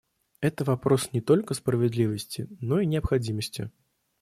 Это вопрос не только справедливости, но и необходимости.